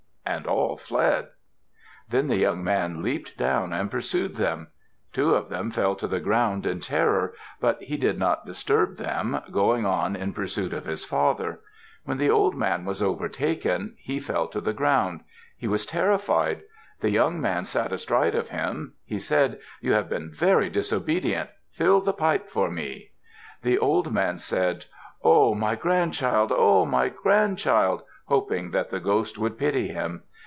And all fled. Then the young man leaped down and pursued them. Two of them fell to the ground in terror, but he did not disturb them, going on in pursuit of his father. When the old man was overtaken, he fell to the ground. He was terrified. The young man sat astride of him. He said, "You have been very disobedient! Fill the pipe for me!" The old man said, "Oh! My grandchild! Oh! My grandchild!" hoping that the ghost would pity him.